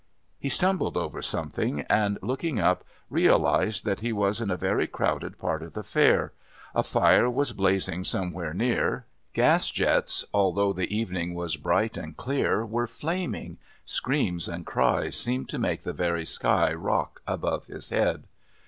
He stumbled over something, and looking up realised that he was in a very crowded part of the Fair, a fire was blazing somewhere near, gas jets, although the evening was bright and clear, were naming, screams and cries seemed to make the very sky rock above his head.